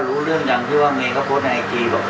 ้อลูงเรื่องดังคือว่าเมย์ก็โฟสในไอจี